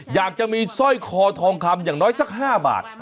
อยากจะมีสร้อยคอทองคำอย่างน้อยสัก๕บาท